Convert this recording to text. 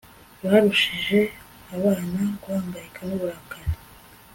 barushije abana guhangayika nuburakari